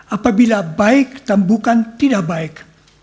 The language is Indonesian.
apabila baik dan bukan tidak baik